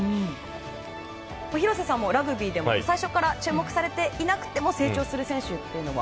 廣瀬さんもラグビーでも最初から注目されていなくても成長する選手というのは？